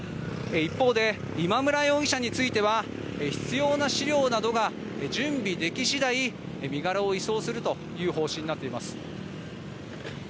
一方で、今村容疑者については必要な資料などが準備でき次第身柄を移送するという方針になっています。